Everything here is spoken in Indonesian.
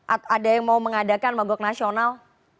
ada yang mau mengadakan mogok nasional